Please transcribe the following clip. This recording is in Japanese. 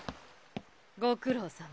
ご苦労さま。